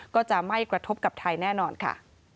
ก็จะไม่กระทบกับไทยแน่นอนค่ะ